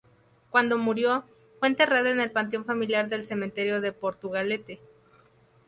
Cuando murió, fue enterrada en el panteón familiar del cementerio de Portugalete.